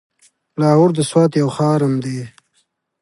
لاهور د سوات يو ښار هم دی.